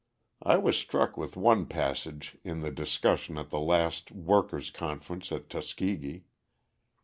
I was struck with one passage in the discussion at the last Workers' Conference at Tuskegee.